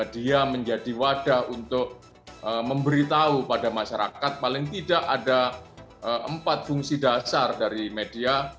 dia menjadi wadah untuk memberitahu pada masyarakat paling tidak ada empat fungsi dasar dari media